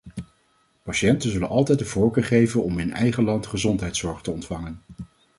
Patiënten zullen altijd de voorkeur geven om in eigen land gezondheidszorg te ontvangen.